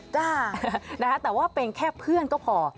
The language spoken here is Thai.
จ้านะคะแต่ว่าเป็นแค่เพื่อนก็พอ